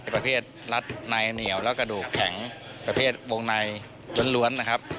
ประเภทรัดในเหนียวและกระดูกแข็งประเภทวงในล้วนนะครับ